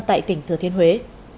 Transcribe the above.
tại tỉnh thừa thiên huế